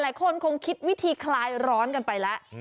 หลายคนคงคิดวิธีคลายร้อนกันไปแล้ว